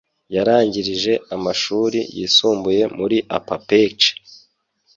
Yarangirije amashuri yisumbuye muri APAPEC.